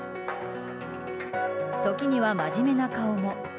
時には真面目な顔も。